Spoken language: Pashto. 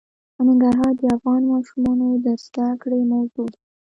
ننګرهار د افغان ماشومانو د زده کړې موضوع ده.